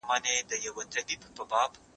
کله ادې لاندي، کله بابا.